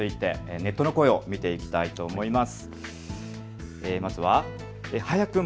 ネットの声を見ていきたいと思います。